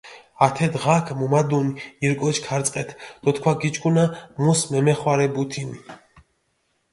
ათე დღაქ მუმადუნ ირ კოჩი ქარწყეთ დო თქვა გიჩქუნა, მუს მემეხვარებუთინ.